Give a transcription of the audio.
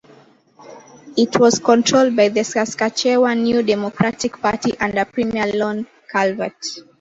It was controlled by the Saskatchewan New Democratic Party under premier Lorne Calvert.